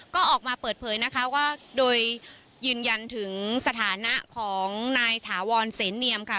ก็ออกมาเปิดเผยนะคะว่าโดยยืนยันถึงสถานะของนายถาวรเสนเนียมค่ะ